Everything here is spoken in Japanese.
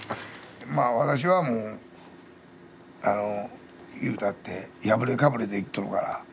まあ私はもうあの言うたって破れかぶれで生きとるから。